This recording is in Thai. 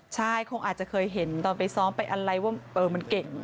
ใช่คงอาจจะเคยเห็นตอนไปซ้อมไปอะไรว่ามันเก่ง